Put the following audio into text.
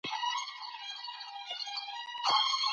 احمد شاه حسين د علم ملګرتيا خوښوله.